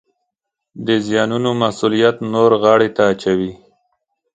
د زیانونو مسوولیت نورو غاړې ته اچوي